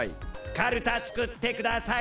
かるたつくってください！